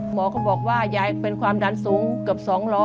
หมอก็บอกว่ายายเป็นความดันสูงเกือบ๒ล้อ